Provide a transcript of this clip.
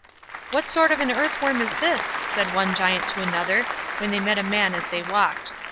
"What sort of an earthworm is this?" said one Giant to another, when they met a man as they walked.